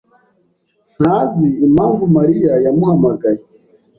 ntazi impamvu Mariya yamuhamagaye.